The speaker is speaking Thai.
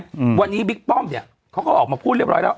อืมวันนี้บิ๊กป้อมเนี้ยเขาก็ออกมาพูดเรียบร้อยแล้ว